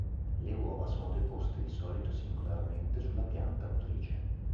Le uova sono deposte di solito singolarmente sulla pianta nutrice.